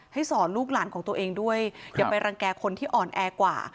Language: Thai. สอนลูกหลานของตัวเองด้วยอย่าไปรังแก่คนที่อ่อนแอกว่า